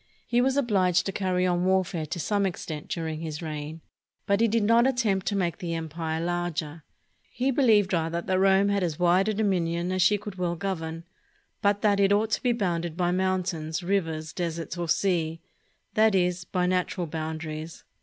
He was obliged to carry on warfare to some extent during his reign, but he did not attempt to make the empire larger. He believed rather that Rome had as wide a dominion as she could well govern, but that it ought to be bounded by mountains, rivers, deserts, or seas, that is, by natural boundaries.